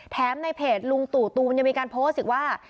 ในเพจลุงตู่ตูนยังมีการโพสต์อีกว่า